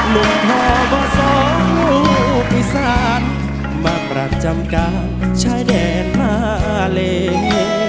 ลุงพ่อเบาสองลูกพิสารมากรักจำกาลชายแดนมาเลย